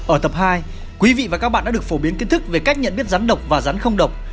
ở tập hai quý vị và các bạn đã được phổ biến kiến thức về cách nhận biết rắn độc và rắn không độc